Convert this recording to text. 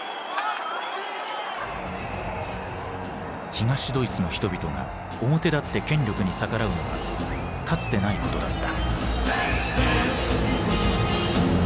東ドイツの人々が表立って権力に逆らうのはかつてないことだった。